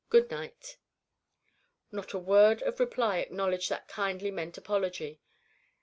Good night." Not a word of reply acknowledged that kindly meant apology.